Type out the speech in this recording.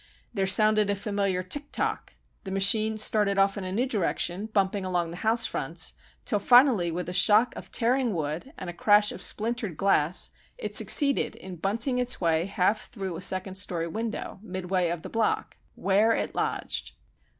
There sounded a familiar tick tock. The machine started off in a new direction, bumping along the house fronts, till finally with a shock of tearing wood and a crash of splintered glass it succeeded in bunting its way half through a second story window, midway of the block. Where it lodged!